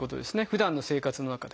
ふだんの生活の中で。